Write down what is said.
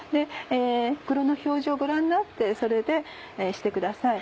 袋の表示をご覧になってそれでしてください。